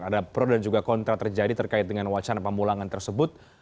ada pro dan juga kontra terjadi terkait dengan wacana pemulangan tersebut